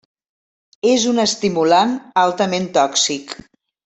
És un estimulant altament tòxic.